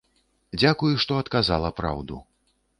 Дзякуй, што адказала праўду.